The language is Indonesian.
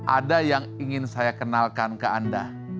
ada yang ingin saya kenalkan ke anda